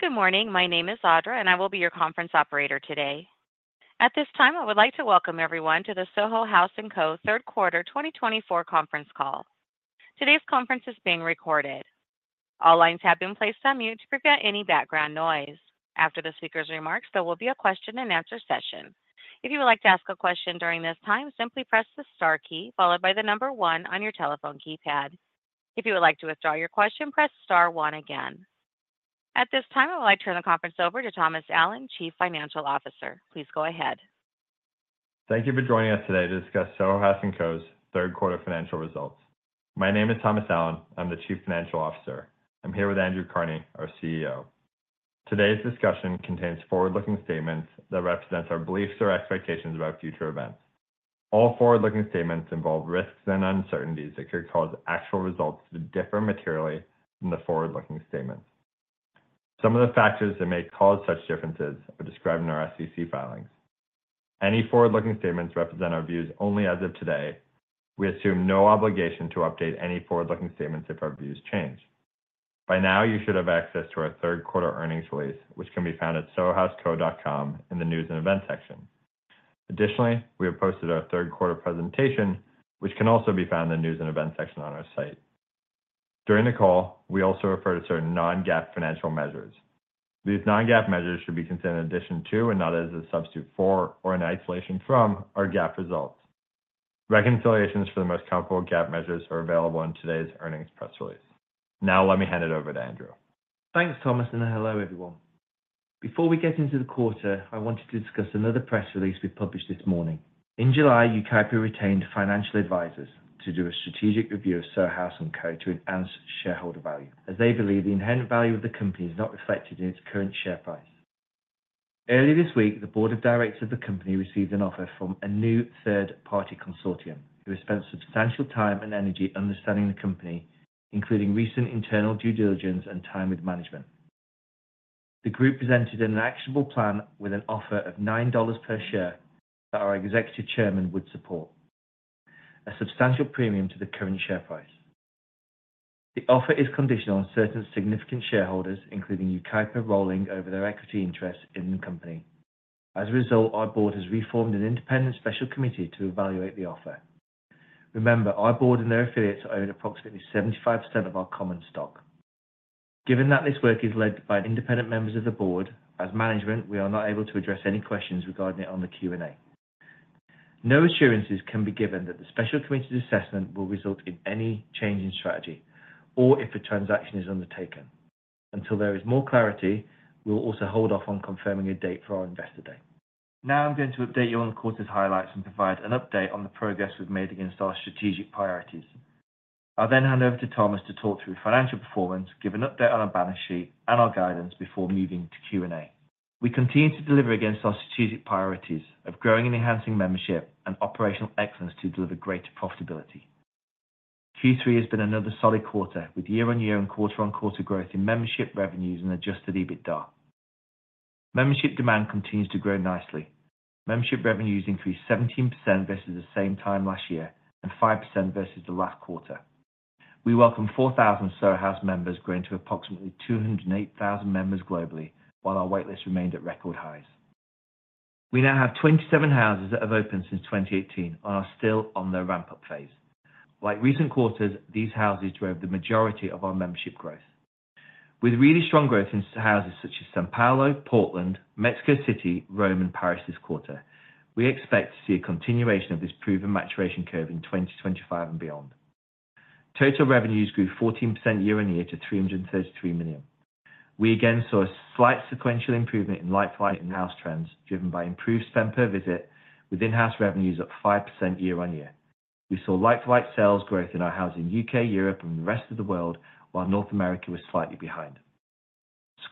Good morning. My name is Audra, and I will be your conference operator today. At this time, I would like to welcome everyone to the Soho House & Co third quarter 2024 conference call. Today's conference is being recorded. All lines have been placed on mute to prevent any background noise. After the speaker's remarks, there will be a question-and-answer session. If you would like to ask a question during this time, simply press the star key followed by the number one on your telephone keypad. If you would like to withdraw your question, press star one again. At this time, I would like to turn the conference over to Thomas Allen, Chief Financial Officer. Please go ahead. Thank you for joining us today to discuss Soho House & Co's third quarter financial results. My name is Thomas Allen. I'm the Chief Financial Officer. I'm here with Andrew Carnie, our CEO. Today's discussion contains forward-looking statements that represent our beliefs or expectations about future events. All forward-looking statements involve risks and uncertainties that could cause actual results to differ materially from the forward-looking statements. Some of the factors that may cause such differences are described in our SEC filings. Any forward-looking statements represent our views only as of today. We assume no obligation to update any forward-looking statements if our views change. By now, you should have access to our third quarter earnings release, which can be found at sohohouseco.com in the news and events section. Additionally, we have posted our third quarter presentation, which can also be found in the news and events section on our site. During the call, we also refer to certain non-GAAP financial measures. These non-GAAP measures should be considered in addition to and not as a substitute for or in isolation from our GAAP results. Reconciliations for the most comparable GAAP measures are available in today's earnings press release. Now, let me hand it over to Andrew. Thanks, Thomas, and hello, everyone. Before we get into the quarter, I wanted to discuss another press release we published this morning. In July, Yucaipa retained financial advisors to do a strategic review of Soho House & Co to enhance shareholder value, as they believe the inherent value of the company is not reflected in its current share price. Early this week, the board of directors of the company received an offer from a new third-party consortium who have spent substantial time and energy understanding the company, including recent internal due diligence and time with management. The group presented an actionable plan with an offer of $9 per share that our executive chairman would support, a substantial premium to the current share price. The offer is conditional on certain significant shareholders, including Yucaipa rolling over their equity interests in the company. As a result, our board has reformed an independent special committee to evaluate the offer. Remember, our board and their affiliates own approximately 75% of our common stock. Given that this work is led by independent members of the board, as management, we are not able to address any questions regarding it on the Q&A. No assurances can be given that the special committee's assessment will result in any change in strategy or if a transaction is undertaken. Until there is more clarity, we'll also hold off on confirming a date for our investor day. Now, I'm going to update you on the quarter's highlights and provide an update on the progress we've made against our strategic priorities. I'll then hand over to Thomas to talk through financial performance, give an update on our balance sheet, and our guidance before moving to Q&A. We continue to deliver against our strategic priorities of growing and enhancing membership and operational excellence to deliver greater profitability. Q3 has been another solid quarter with year-on-year and quarter-on-quarter growth in membership revenues and Adjusted EBITDA. Membership demand continues to grow nicely. Membership revenues increased 17% versus the same time last year and 5% versus the last quarter. We welcomed 4,000 Soho House members growing to approximately 208,000 members globally, while our waitlist remained at record highs. We now have 27 houses that have opened since 2018 and are still on their ramp-up phase. Like recent quarters, these houses drove the majority of our membership growth. With really strong growth in houses such as São Paulo, Portland, Mexico City, Rome, and Paris this quarter, we expect to see a continuation of this proven maturation curve in 2025 and beyond. Total revenues grew 14% year-on-year to $333 million. We again saw a slight sequential improvement in like-for-like in-house trends driven by improved spend per visit, with in-house revenues up 5% year-on-year. We saw like-for-like sales growth in our houses in the UK, Europe, and the rest of the world, while North America was slightly behind.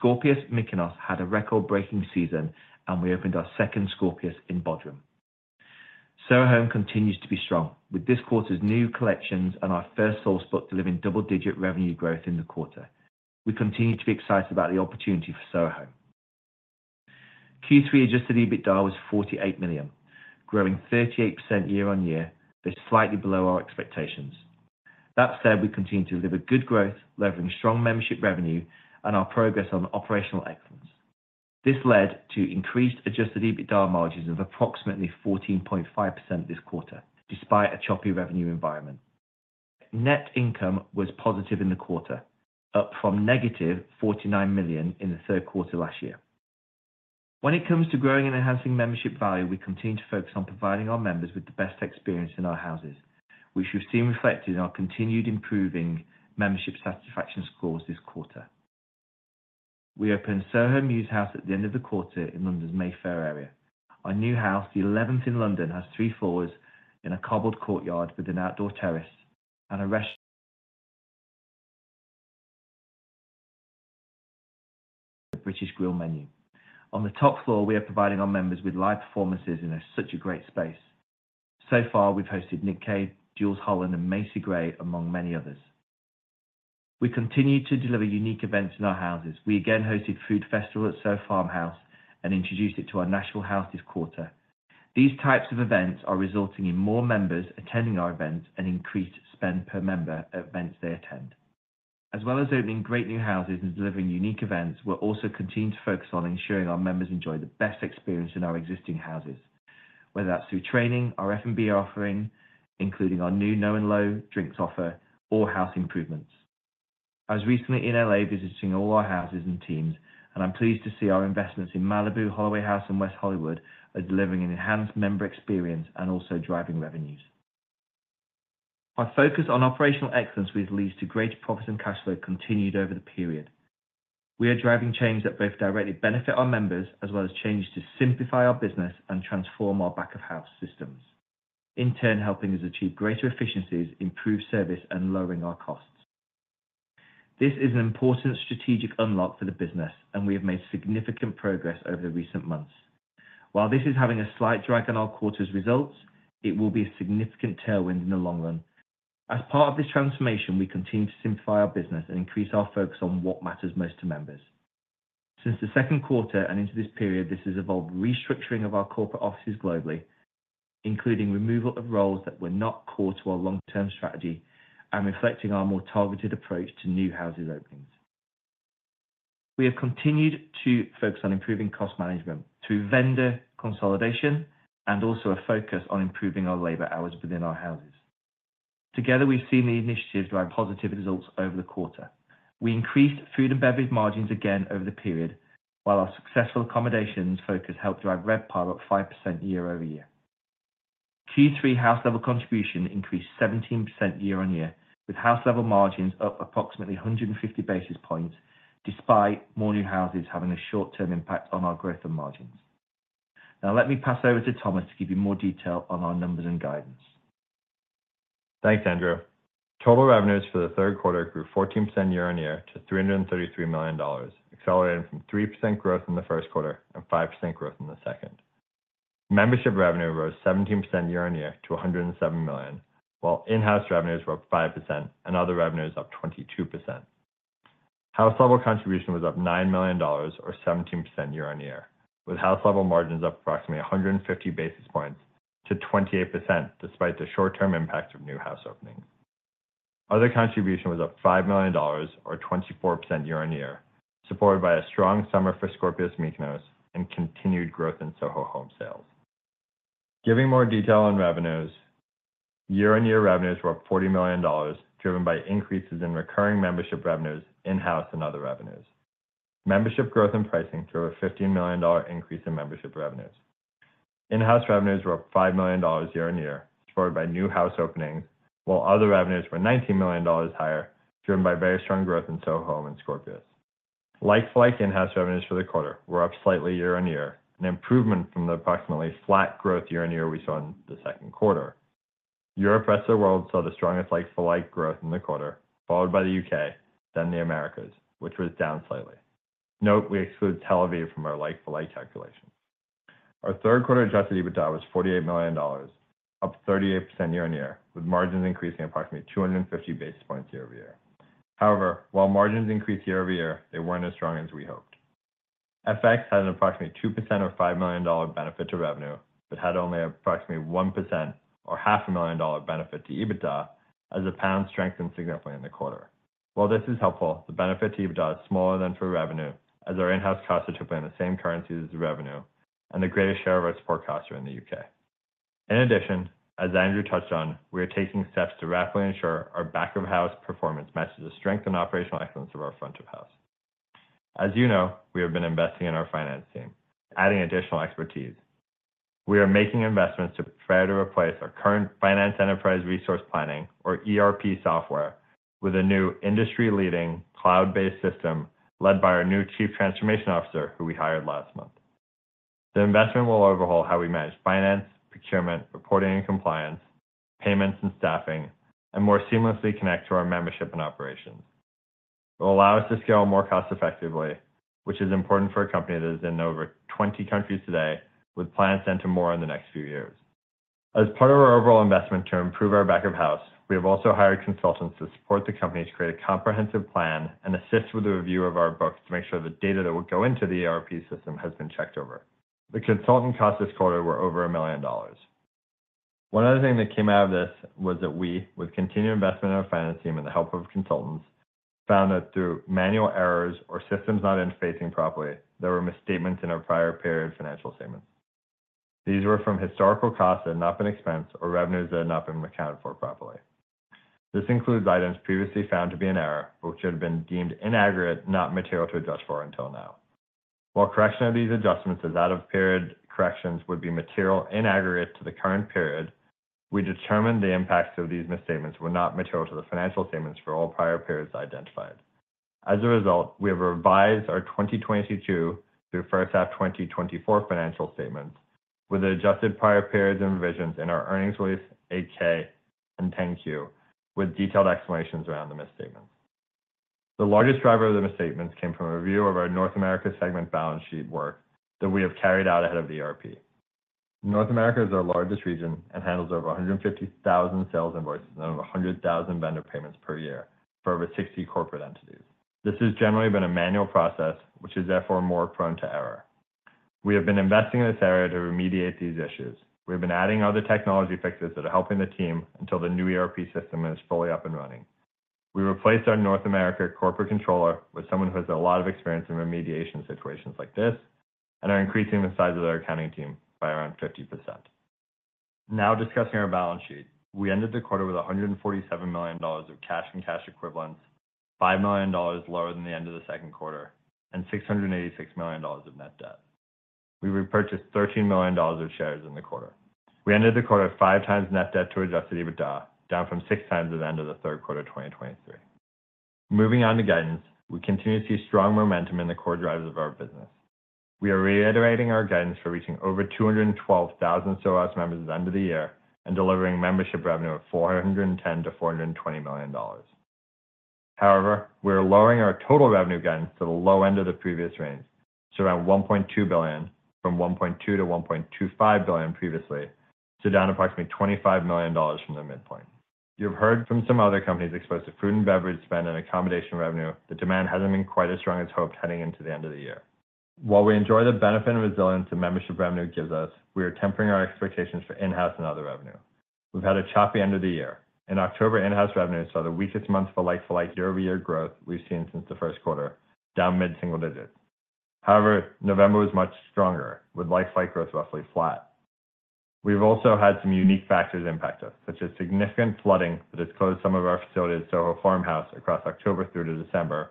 Scorpios Mykonos had a record-breaking season, and we opened our second Scorpios in Bodrum. Soho Home continues to be strong with this quarter's new collections and our first standalone store to deliver double-digit revenue growth in the quarter. We continue to be excited about the opportunity for Soho Home. Q3 Adjusted EBITDA was $48 million, growing 38% year-on-year, though slightly below our expectations. That said, we continue to deliver good growth, leveraging strong membership revenue, and our progress on operational excellence. This led to increased Adjusted EBITDA margins of approximately 14.5% this quarter, despite a choppy revenue environment. Net income was positive in the quarter, up from negative $49 million in the third quarter last year. When it comes to growing and enhancing membership value, we continue to focus on providing our members with the best experience in our houses, which we've seen reflected in our continued improving membership satisfaction scores this quarter. We opened Soho Mews House at the end of the quarter in London's Mayfair area. Our new house, the 11th in London, has three floors in a cobbled courtyard with an outdoor terrace and a restaurant with a British grill menu. On the top floor, we are providing our members with live performances in such a great space. So far, we've hosted Nick Cage, Jools Holland, and Macy Gray, among many others. We continue to deliver unique events in our houses. We again hosted a food festival at Soho Farmhouse and introduced it to our national house this quarter. These types of events are resulting in more members attending our events and increased spend per member at events they attend. As well as opening great new houses and delivering unique events, we're also continuing to focus on ensuring our members enjoy the best experience in our existing houses, whether that's through training, our F&B offering, including our new No & Low drinks offer, or house improvements. I was recently in LA visiting all our houses and teams, and I'm pleased to see our investments in Malibu, Holloway House, and West Hollywood are delivering an enhanced member experience and also driving revenues. Our focus on operational excellence leads to greater profits and cash flow, continued over the period. We are driving change that both directly benefit our members as well as changes to simplify our business and transform our back-of-house systems, in turn helping us achieve greater efficiencies, improved service, and lowering our costs. This is an important strategic unlock for the business, and we have made significant progress over the recent months. While this is having a slight drag on our quarter's results, it will be a significant tailwind in the long run. As part of this transformation, we continue to simplify our business and increase our focus on what matters most to members. Since the second quarter and into this period, this has involved restructuring of our corporate offices globally, including removal of roles that were not core to our long-term strategy and reflecting our more targeted approach to new houses openings. We have continued to focus on improving cost management through vendor consolidation and also a focus on improving our labor hours within our houses. Together, we've seen the initiative drive positive results over the quarter. We increased food and beverage margins again over the period, while our successful accommodations focus helped drive RevPAR up 5% year-over-year. Q3 house-level contribution increased 17% year-on-year, with house-level margins up approximately 150 basis points, despite more new houses having a short-term impact on our growth and margins. Now, let me pass over to Thomas to give you more detail on our numbers and guidance. Thanks, Andrew. Total revenues for the third quarter grew 14% year-on-year to $333 million, accelerating from 3% growth in the first quarter and 5% growth in the second. Membership revenue rose 17% year-on-year to $107 million, while in-house revenues were up 5% and other revenues up 22%. House-level contribution was up $9 million, or 17% year-on-year, with house-level margins up approximately 150 basis points to 28% despite the short-term impact of new house openings. Other contribution was up $5 million, or 24% year-on-year, supported by a strong summer for Scorpios Mykonos and continued growth in Soho Home sales. Giving more detail on revenues, year-on-year revenues were up $40 million, driven by increases in recurring membership revenues, in-house, and other revenues. Membership growth and pricing drove a $15 million increase in membership revenues. In-house revenues were up $5 million year-on-year, supported by new house openings, while other revenues were $19 million higher, driven by very strong growth in Soho Home and Scorpios. Like-for-like in-house revenues for the quarter were up slightly year-on-year, an improvement from the approximately flat growth year-on-year we saw in the second quarter. Europe and Rest of the World saw the strongest like-for-like growth in the quarter, followed by the UK, then the Americas, which was down slightly. Note we exclude Tel Aviv from our like-for-like calculation. Our third quarter Adjusted EBITDA was $48 million, up 38% year-on-year, with margins increasing approximately 250 basis points year-over-year. However, while margins increased year-over-year, they weren't as strong as we hoped. FX had an approximately 2% or $5 million benefit to revenue, but had only approximately 1% or $500,000 benefit to EBITDA, as the pound strengthened significantly in the quarter. While this is helpful, the benefit to EBITDA is smaller than for revenue, as our in-house costs are typically in the same currencies as revenue, and the greatest share of our support costs are in the U.K. In addition, as Andrew touched on, we are taking steps to rapidly ensure our back-of-house performance matches the strength and operational excellence of our front-of-house. As you know, we have been investing in our finance team, adding additional expertise. We are making investments to prepare to replace our current finance enterprise resource planning, or ERP software, with a new industry-leading cloud-based system led by our new Chief Transformation Officer, who we hired last month. The investment will overhaul how we manage finance, procurement, reporting and compliance, payments and staffing, and more seamlessly connect to our membership and operations. It will allow us to scale more cost-effectively, which is important for a company that is in over 20 countries today, with plans to enter more in the next few years. As part of our overall investment to improve our back-of-house, we have also hired consultants to support the company to create a comprehensive plan and assist with the review of our books to make sure the data that would go into the ERP system has been checked over. The consultant costs this quarter were over $1 million. One other thing that came out of this was that we, with continued investment in our finance team and the help of consultants, found that through manual errors or systems not interfacing properly, there were misstatements in our prior period financial statements. These were from historical costs that had not been expensed or revenues that had not been accounted for properly. This includes items previously found to be an error, which had been deemed in aggregate, not material to adjust for until now. While correction of these adjustments as out-of-period corrections would be material in aggregate to the current period, we determined the impacts of these misstatements were not material to the financial statements for all prior periods identified. As a result, we have revised our 2022 through first half 2024 financial statements with adjusted prior periods and revisions in our earnings release 8-K and 10-Q, with detailed explanations around the misstatements. The largest driver of the misstatements came from a review of our North America segment balance sheet work that we have carried out ahead of the ERP. North America is our largest region and handles over 150,000 sales invoices and over 100,000 vendor payments per year for over 60 corporate entities. This has generally been a manual process, which is therefore more prone to error. We have been investing in this area to remediate these issues. We have been adding other technology fixes that are helping the team until the new ERP system is fully up and running. We replaced our North America corporate controller with someone who has a lot of experience in remediation situations like this and are increasing the size of their accounting team by around 50%. Now discussing our balance sheet, we ended the quarter with $147 million of cash and cash equivalents, $5 million lower than the end of the second quarter, and $686 million of net debt. We repurchased $13 million of shares in the quarter. We ended the quarter at five times net debt to adjusted EBITDA, down from six times at the end of the third quarter of 2023. Moving on to guidance, we continue to see strong momentum in the core drivers of our business. We are reiterating our guidance for reaching over 212,000 Soho House members at the end of the year and delivering membership revenue of $410-$420 million. However, we are lowering our total revenue guidance to the low end of the previous range, so around $1.2 billion, from $1.2-$1.25 billion previously, so down approximately $25 million from the midpoint. You've heard from some other companies exposed to food and beverage spend and accommodation revenue that demand hasn't been quite as strong as hoped heading into the end of the year. While we enjoy the benefit and resilience that membership revenue gives us, we are tempering our expectations for in-house and other revenue. We've had a choppy end of the year. In October, in-house revenues saw the weakest month for like-for-like year-over-year growth we've seen since the first quarter, down mid-single digits. However, November was much stronger, with like-for-like growth roughly flat. We've also had some unique factors impact us, such as significant flooding that has closed some of our facility at Soho Farmhouse across October through to December,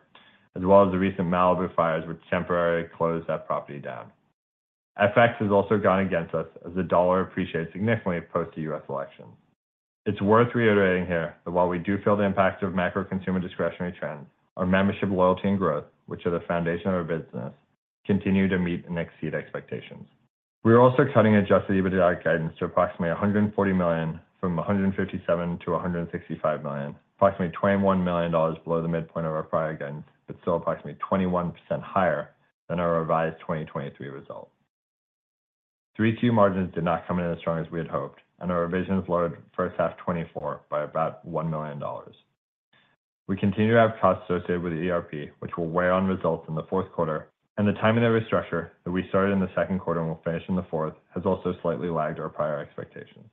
as well as the recent Malibu fires, which temporarily closed that property down. FX has also gone against us as the dollar appreciates significantly post the U.S. election. It's worth reiterating here that while we do feel the impact of macro-consumer discretionary trends, our membership loyalty and growth, which are the foundation of our business, continue to meet and exceed expectations. We are also cutting Adjusted EBITDA guidance to approximately $140 million, from $157-$165 million, approximately $21 million below the midpoint of our prior guidance, but still approximately 21% higher than our revised 2023 result. 3Q margins did not come in as strong as we had hoped, and our revisions lowered first half 2024 by about $1 million. We continue to have costs associated with the ERP, which will weigh on results in the fourth quarter, and the timing of restructure that we started in the second quarter and will finish in the fourth has also slightly lagged our prior expectations.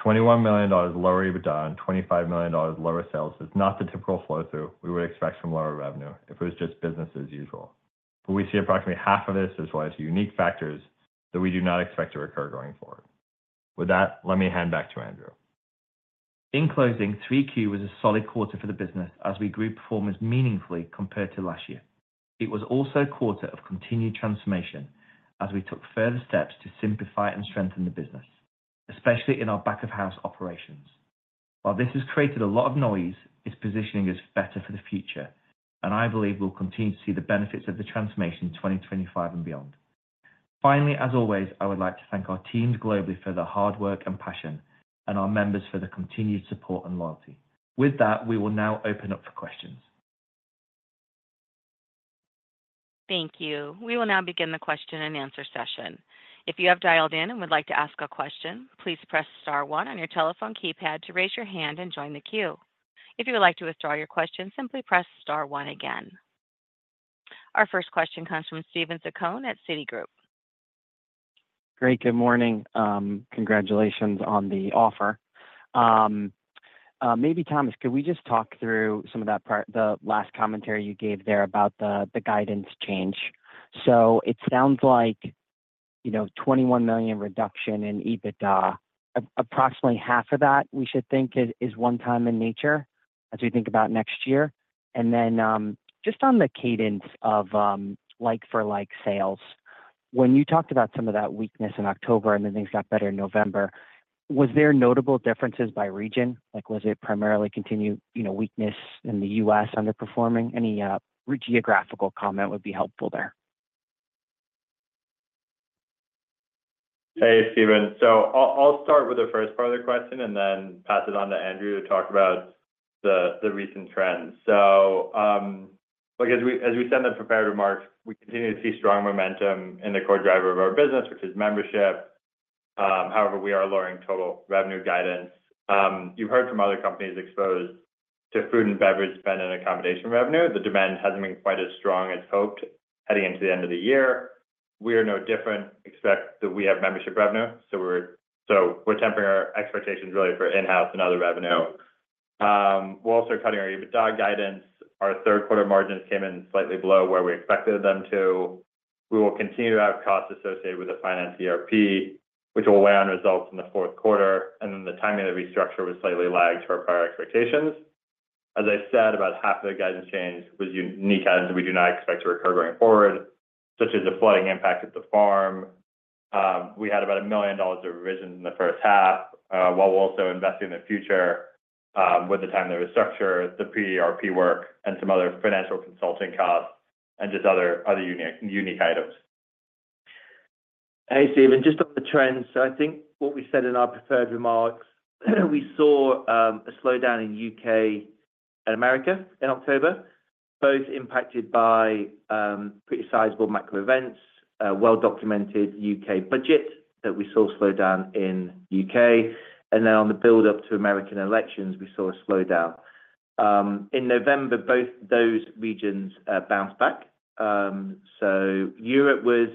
$21 million lower EBITDA and $25 million lower sales is not the typical flow-through we would expect from lower revenue if it was just business as usual, but we see approximately half of this as well as unique factors that we do not expect to recur going forward. With that, let me hand back to Andrew. In closing, 3Q was a solid quarter for the business as we grew performance meaningfully compared to last year. It was also a quarter of continued transformation as we took further steps to simplify and strengthen the business, especially in our back-of-house operations. While this has created a lot of noise, its positioning is better for the future, and I believe we'll continue to see the benefits of the transformation in 2025 and beyond. Finally, as always, I would like to thank our teams globally for their hard work and passion, and our members for their continued support and loyalty. With that, we will now open up for questions. Thank you. We will now begin the question and answer session. If you have dialed in and would like to ask a question, please press star one on your telephone keypad to raise your hand and join the queue. If you would like to withdraw your question, simply press star one again. Our first question comes from Steven Zaccone at Citigroup. Great. Good morning. Congratulations on the offer. Maybe, Thomas, could we just talk through some of that part, the last commentary you gave there about the guidance change? So it sounds like $21 million reduction in EBITDA, approximately half of that, we should think, is one-time in nature as we think about next year. And then just on the cadence of like-for-like sales, when you talked about some of that weakness in October and then things got better in November, were there notable differences by region? Was it primarily continued weakness in the U.S. underperforming? Any geographical comment would be helpful there. Hey, Steven. So I'll start with the first part of the question and then pass it on to Andrew to talk about the recent trends. So as we said in the prepared remarks, we continue to see strong momentum in the core driver of our business, which is membership. However, we are lowering total revenue guidance. You've heard from other companies exposed to food and beverage spend and accommodation revenue. The demand hasn't been quite as strong as hoped heading into the end of the year. We are no different. Expect that we have membership revenue, so we're tempering our expectations really for in-house and other revenue. We're also cutting our EBITDA guidance. Our third-quarter margins came in slightly below where we expected them to. We will continue to have costs associated with the finance ERP, which will weigh on results in the fourth quarter, and then the timing of the restructure was slightly lagged to our prior expectations. As I said, about half of the guidance change was unique items that we do not expect to recur going forward, such as the flooding impact at the farm. We had about $1 million of revisions in the first half, while we're also investing in the future with the time to restructure, the pre-ERP work, and some other financial consulting costs, and just other unique items. Hey, Steven. Just on the trends, I think what we said in our prepared remarks, we saw a slowdown in the UK and America in October, both impacted by pretty sizable macro events, a well-documented UK budget that we saw slow down in the UK, and then on the build-up to American elections, we saw a slowdown. In November, both those regions bounced back. So Europe was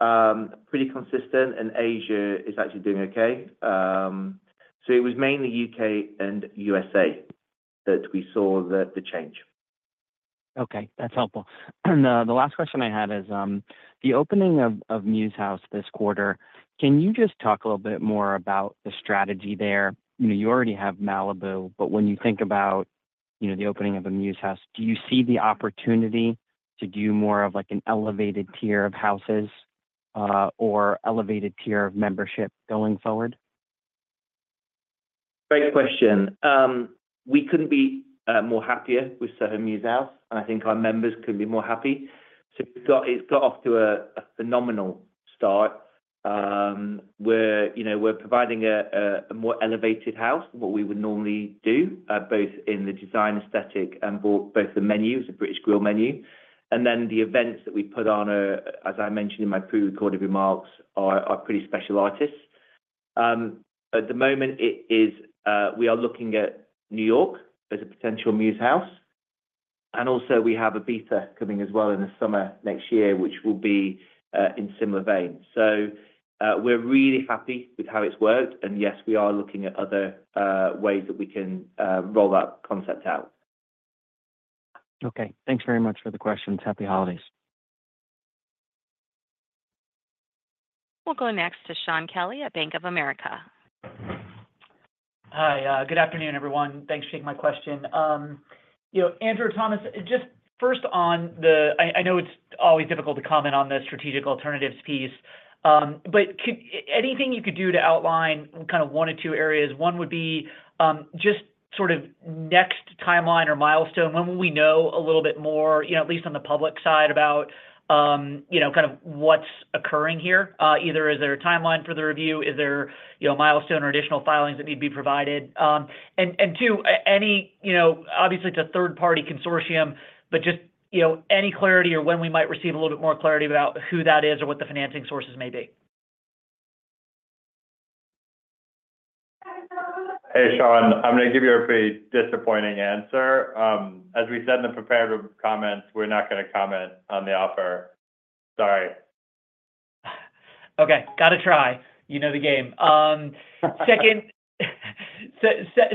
pretty consistent, and Asia is actually doing okay. So it was mainly the UK and USA that we saw the change. Okay. That's helpful, and the last question I had is the opening of Mews House this quarter. Can you just talk a little bit more about the strategy there? You already have Malibu, but when you think about the opening of a Mews House, do you see the opportunity to do more of an elevated tier of houses or elevated tier of membership going forward? Great question. We couldn't be more happier with Soho Mews House, and I think our members couldn't be more happy. So it's got off to a phenomenal start. We're providing a more elevated house than what we would normally do, both in the design aesthetic and both the menus, the British grill menu, and then the events that we put on, as I mentioned in my pre-recorded remarks, are pretty special artists. At the moment, we are looking at New York as a potential Soho Mews House, and also we have Ibiza coming as well in the summer next year, which will be in similar veins. So we're really happy with how it's worked, and yes, we are looking at other ways that we can roll that concept out. Okay. Thanks very much for the questions. Happy holidays. We'll go next to Shaun Kelley at Bank of America. Hi. Good afternoon, everyone. Thanks for taking my question. Andrew or Thomas, just first on the. I know it's always difficult to comment on the strategic alternatives piece, but anything you could do to outline kind of one or two areas? One would be just sort of next timeline or milestone. When will we know a little bit more, at least on the public side, about kind of what's occurring here? Either, is there a timeline for the review? Is there a milestone or additional filings that need to be provided? And two, obviously, it's a third-party consortium, but just any clarity or when we might receive a little bit more clarity about who that is or what the financing sources may be? Hey, Sean. I'm going to give you a pretty disappointing answer. As we said in the prepared comments, we're not going to comment on the offer. Sorry. Okay. Got to try. You know the game.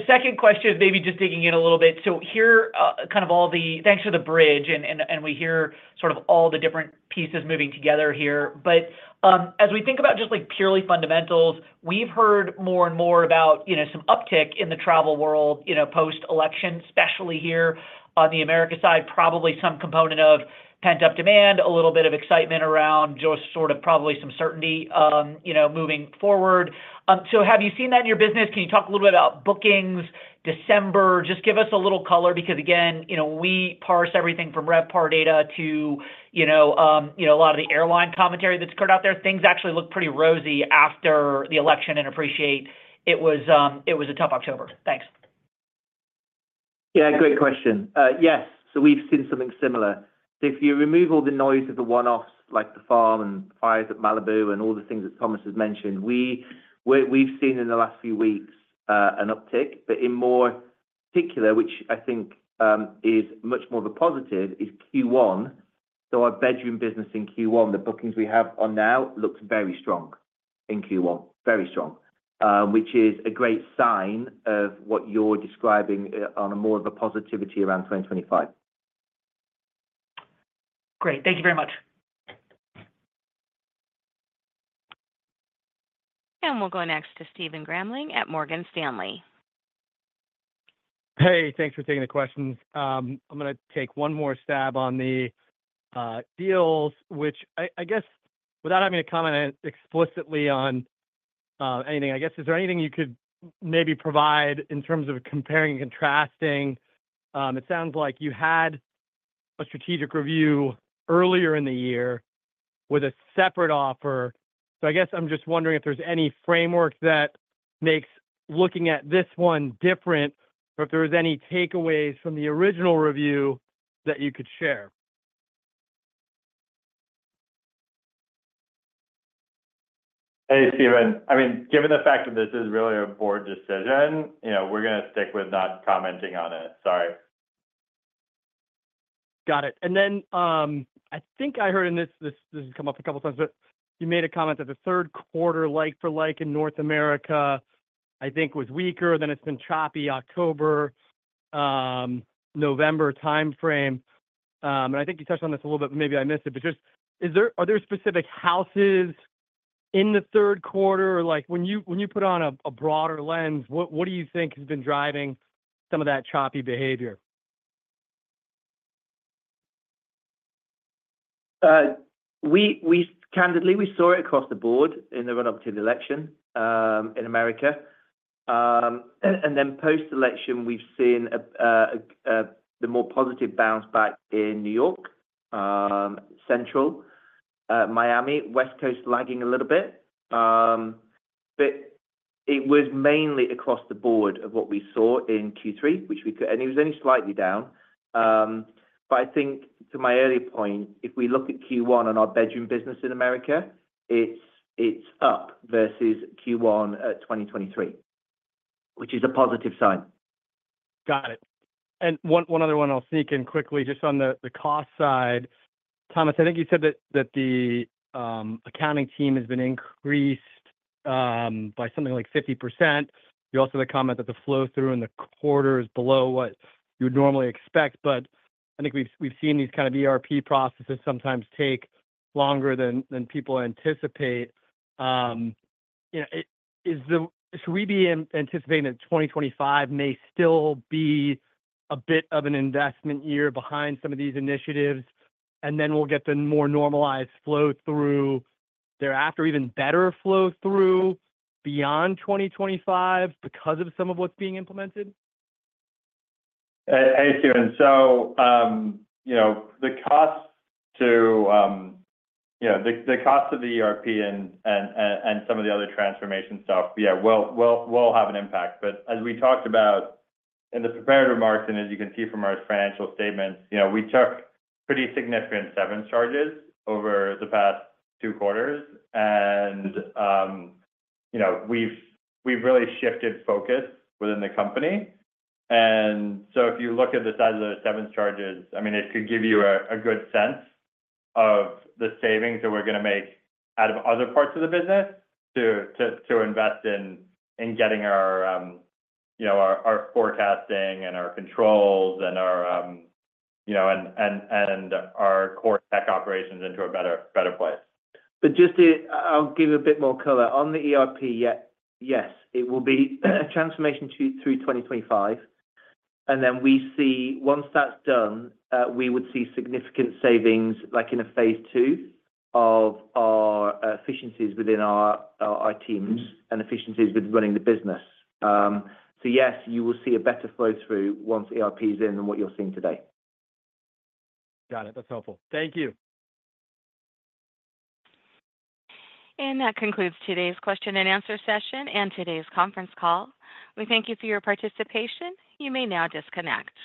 Second question is maybe just digging in a little bit. So, we've heard kind of all the. Thanks for the bridge, and we hear sort of all the different pieces moving together here. But as we think about just purely fundamentals, we've heard more and more about some uptick in the travel world post-election, especially here on the America side, probably some component of pent-up demand, a little bit of excitement around just sort of probably some certainty moving forward. So have you seen that in your business? Can you talk a little bit about bookings? December, just give us a little color because, again, we parse everything from RevPAR data to a lot of the airline commentary that's occurred out there. Things actually look pretty rosy after the election, and I appreciate it was a tough October. Thanks. Yeah. Great question. Yes. So we've seen something similar. So if you remove all the noise of the one-offs like the farm and fires at Malibu and all the things that Thomas has mentioned, we've seen in the last few weeks an uptick. But in more particular, which I think is much more of a positive, is Q1. So our bedroom business in Q1, the bookings we have on now, looked very strong in Q1, very strong, which is a great sign of what you're describing on a more of a positivity around 2025. Great. Thank you very much. We'll go next to Stephen Gramling at Morgan Stanley. Hey. Thanks for taking the questions. I'm going to take one more stab on the deals, which I guess without having to comment explicitly on anything, I guess, is there anything you could maybe provide in terms of comparing and contrasting? It sounds like you had a strategic review earlier in the year with a separate offer. So I guess I'm just wondering if there's any framework that makes looking at this one different or if there were any takeaways from the original review that you could share? Hey, Steven. I mean, given the fact that this is really a board decision, we're going to stick with not commenting on it. Sorry. Got it, and then I think I heard, and this has come up a couple of times, but you made a comment that the third-quarter like-for-like in North America, I think, was weaker, then it's been choppy October, November timeframe, and I think you touched on this a little bit, but maybe I missed it, but just, are there specific houses in the third quarter? When you put on a broader lens, what do you think has been driving some of that choppy behavior? Candidly, we saw it across the board in the run-up to the election in America, and then post-election, we've seen the more positive bounce back in New York, Central, Miami, West Coast lagging a little bit, but it was mainly across the board of what we saw in Q3, which we could, and it was only slightly down, but I think to my earlier point, if we look at Q1 on our bedroom business in America, it's up versus Q1 at 2023, which is a positive sign. Got it. And one other one I'll sneak in quickly just on the cost side. Thomas, I think you said that the accounting team has been increased by something like 50%. You also had a comment that the flow-through in the quarter is below what you would normally expect, but I think we've seen these kind of ERP processes sometimes take longer than people anticipate. Should we be anticipating that 2025 may still be a bit of an investment year behind some of these initiatives, and then we'll get the more normalized flow-through thereafter, even better flow-through beyond 2025 because of some of what's being implemented? Hey, Steven. So the cost of the ERP and some of the other transformation stuff, yeah, will have an impact. But as we talked about in the prepared remarks, and as you can see from our financial statements, we took pretty significant severance charges over the past two quarters, and we've really shifted focus within the company. And so if you look at the size of those severance charges, I mean, it could give you a good sense of the savings that we're going to make out of other parts of the business to invest in getting our forecasting and our controls and our core tech operations into a better place. But just to, I'll give you a bit more color. On the ERP, yes, it will be a transformation through 2025. And then we see, once that's done, we would see significant savings in a phase two of our efficiencies within our teams and efficiencies with running the business. So yes, you will see a better flow-through once ERP is in than what you're seeing today. Got it. That's helpful. Thank you. And that concludes today's question and answer session and today's conference call. We thank you for your participation. You may now disconnect.